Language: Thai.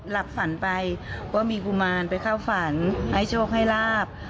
หลับฝันไปว่ามีกุมารไปเข้าฝันให้โชคให้ลาบ